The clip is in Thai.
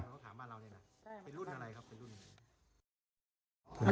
ต้องหามาเราเลยนะเป็นรุ่นอะไรครับเป็นรุ่นอะไร